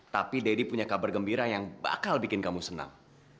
tapi deddy punya kabar gembira yang bakal bikin kamu senang